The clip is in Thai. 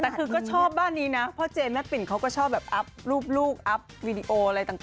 แต่คือก็ชอบบ้านนี้นะพ่อเจนแม่ปิ่นเขาก็ชอบแบบอัพรูปลูกอัพวีดีโออะไรต่าง